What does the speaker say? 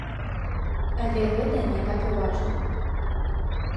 Але гэта не так і важна.